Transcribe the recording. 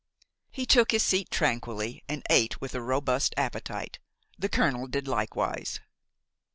He took his seat tranquilly and ate with a robust appetite. The colonel did likewise.